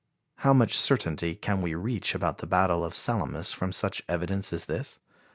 How much certainty can we reach about the battle of Salamis from such evidence as this?